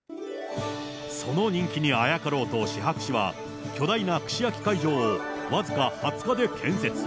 その人気にあやかろうとシハク市は、巨大な串焼き会場を僅か２０日で建設。